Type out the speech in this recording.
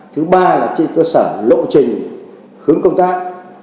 thứ ba là trên cơ sở lộ trình hướng công tác